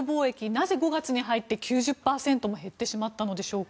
なぜ５月に入って９０％も減ってしまったのでしょう。